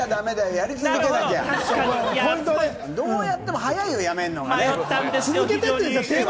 やりきらなきゃ、どうやっても早いよ、やめるのが。